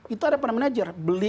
itu ada para manajer beli